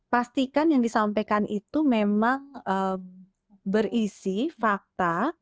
pastikan yang disampaikan itu memang berisi fakta